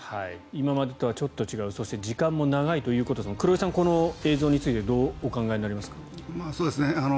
今までとはちょっと違うそして時間も長いということで黒井さん、この映像についてどうお考えになりますか？